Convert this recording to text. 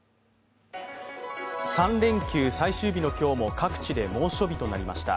３連休最終日の今日も各地で猛暑日となりました。